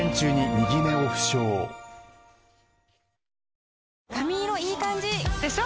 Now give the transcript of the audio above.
「ビオレ」髪色いい感じ！でしょ？